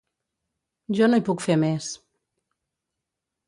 Jo no hi puc fer més.